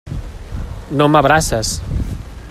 No m'abraces.